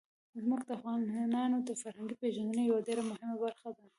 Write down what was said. ځمکه د افغانانو د فرهنګي پیژندنې یوه ډېره مهمه برخه ده.